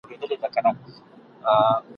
پرېږده مُهر کړي پخپله عجایب رنګه وصال دی !.